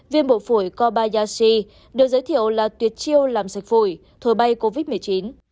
viêm bộ phổi kobayashi được giới thiệu là tuyệt chiêu làm sạch phổi thổi bay covid một mươi chín